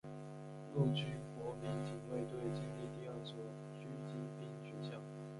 陆军国民警卫队建立第二所狙击兵学校。